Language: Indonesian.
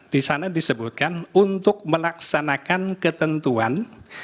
disana disebutkan untuk melaksanakan ketentuan